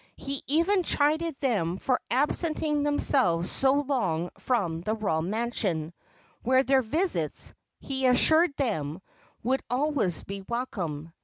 He even chided them for absenting themselves so long from the royal mansion, where their visits, he assured them, would always be welcome.